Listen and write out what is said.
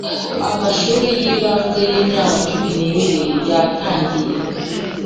amashuri y ibanze y imyaka cumi n ibiri yatangiye